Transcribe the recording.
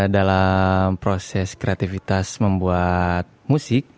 dalam proses kreativitas membuat musik